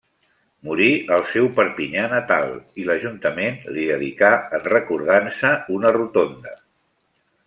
Morí al seu Perpinyà natal, i l'ajuntament li dedicà, en recordança, una rotonda.